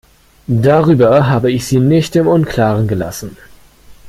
Darüber habe ich sie nicht im Unklaren gelassen.